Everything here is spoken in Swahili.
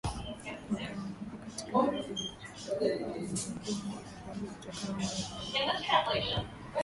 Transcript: Wakaanguka katika ulevi na uasherati hali iliyokuwa mbaya zaidi kutokana na uharibifu wa kiroho